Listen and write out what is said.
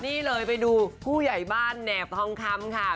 นี่เลยไปดูผู้ใหญ่บ้านแหนบทองคำค่ะ